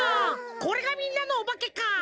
これがみんなのおばけか！